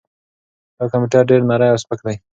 دا کمپیوټر ډېر نری او سپک دی.